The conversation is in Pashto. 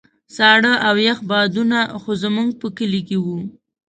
ساړه او يخ بادونه خو زموږ په کلي کې وو.